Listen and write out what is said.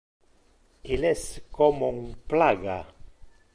Il es como un plaga.